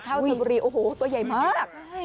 ชนบุรีโอ้โหตัวใหญ่มาก